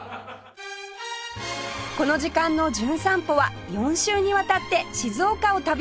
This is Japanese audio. この時間の『じゅん散歩』は４週にわたって静岡を旅します